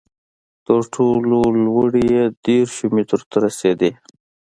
تر ټولو لوړې یې دېرشو مترو ته رسېدې.